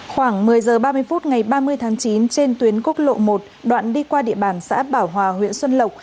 khoảng một mươi h ba mươi phút ngày ba mươi tháng chín trên tuyến quốc lộ một đoạn đi qua địa bàn xã bảo hòa huyện xuân lộc